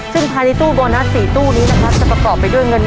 ซึ่งภายในตู้โบนัส๔ตู้นี้จะประกอบด้วย